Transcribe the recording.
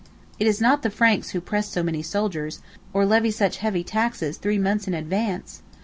It is not the Franks who press so many soldiers, or levy such heavy taxes three months in advance!